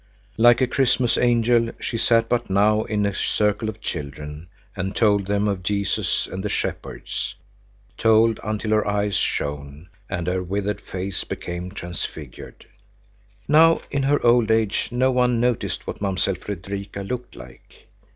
Like a Christmas angel she sat but now in a circle of children, and told them of Jesus and the shepherds, told until her eyes shone, and her withered face became transfigured. Now in her old age no one noticed what Mamsell Fredrika looked like.